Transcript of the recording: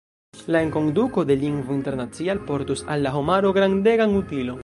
La enkonduko de lingvo internacia alportus al la homaro grandegan utilon.